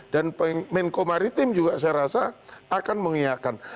dan menko maritim juga saya rasa akan mengingatkan